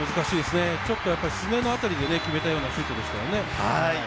ちょっとすねのあたりで決めたようなシュートでしたね。